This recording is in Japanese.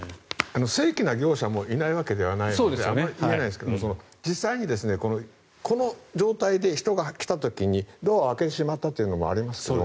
正規な業者もいないわけではないのであまり言えないですが実際にこの状態で人が来た時にドアを開けてしまったというのもありますよね。